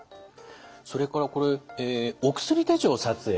それからこれお薬手帳を撮影。